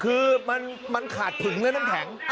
อ๋อคือมันขาดถึงด้วยน้ำแผง